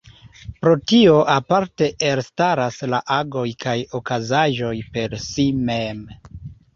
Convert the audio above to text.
Pro tio aparte elstaras la agoj kaj okazaĵoj per si mem.